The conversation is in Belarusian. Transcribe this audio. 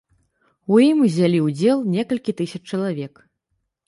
У ім узялі ўдзел некалькі тысяч чалавек.